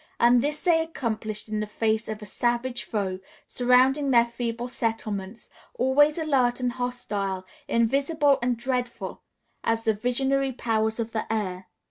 And this they accomplished in the face of a savage foe surrounding their feeble settlements, always alert and hostile, invisible and dreadful as the visionary powers of the air.